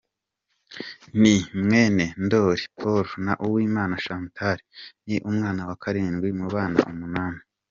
Ni mwene Ndoli Paul na Uwimana Chantal, ni umwana wa karindwi mu bana umunani.